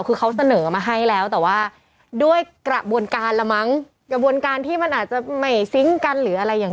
คือเขาเสนอมาให้แล้วแต่ว่าด้วยกระบวนการละมั้งกระบวนการที่มันอาจจะไม่ซิงค์กันหรืออะไรอย่าง